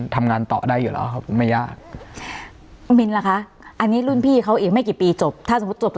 ทุกวันนี้มีเป็นทีมแบบพุบ